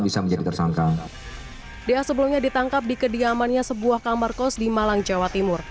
bisa menjadi tersangka dia sebelumnya ditangkap di kediamannya sebuah kamarkos di malang jawa timur